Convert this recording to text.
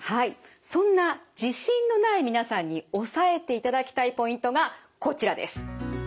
そんな自信のない皆さんに押さえていただきたいポイントがこちらです。